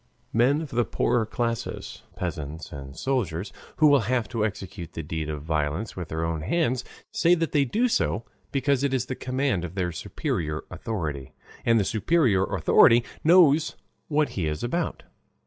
Men of the poorer class, peasants and soldiers, who will have to execute the deed of violence with their own hands, say that they do so because it is the command of their superior authority, and the superior authority knows what he is about.